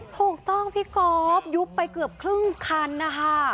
ถูกต้องพี่ก๊อฟยุบไปเกือบครึ่งคันนะคะ